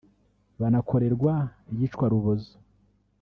banakorerwa iyicwa rubozo